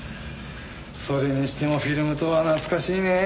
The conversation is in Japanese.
それにしてもフィルムとは懐かしいね。